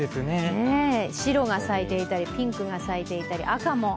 白が咲いていたりピンクが咲いていたり、赤も。